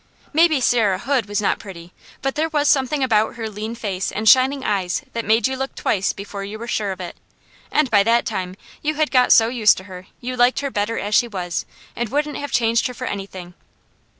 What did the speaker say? Maybe Sarah Hood was not pretty, but there was something about her lean face and shining eyes that made you look twice before you were sure of it, and by that time you had got so used to her, you liked her better as she was, and wouldn't have changed her for anything.